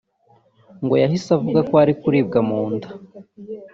ngo yahise avuga ko ari kuribwa mu nda